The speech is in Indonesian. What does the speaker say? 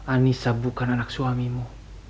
anissa bukan anak suamimu